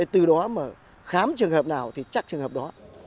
từ đó mà khám trường hợp nào thì chắc trường hợp đó